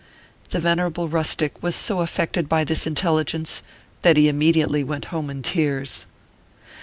The venerable rustic was so affected by this intelli gence, that he immediately went home in tears.